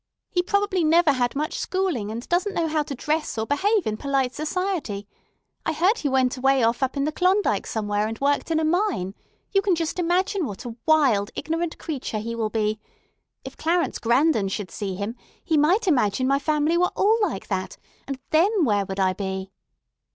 He probably never had much schooling, and doesn't know how to dress or behave in polite society. I heard he went away off up in the Klondike somewhere, and worked in a mine. You can imagine just what a wild, ignorant creature he will be. If Clarence Grandon should see him, he might imagine my family were all like that; and then where would I be?"